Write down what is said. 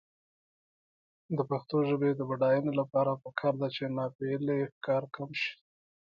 د پښتو ژبې د بډاینې لپاره پکار ده چې ناپییلي ښکار کم شي.